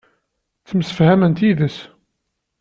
Ttemsefhament yid-s.